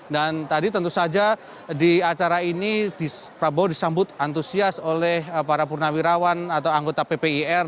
dan tadi tentu saja di acara ini prabowo disambut antusias oleh para purnawirawan atau anggota ppir